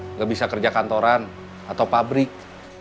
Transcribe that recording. nggak bisa kerja kantoran atau pabrik